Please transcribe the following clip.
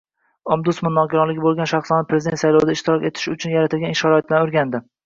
Ombudsman nogironligi bo‘lgan shaxslarning prezident saylovlarida ishtirok etishi uchun yaratilgan sharoitlarni o‘rgandi